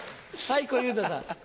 小遊三さん。